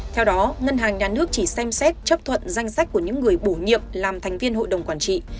theo đó ngân hàng nhà nước chỉ xem xét chấp thuận danh sách của những người bổ nhiệm làm thành viên hội đồng quản trị